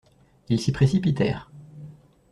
Ils s'y précipitèrent.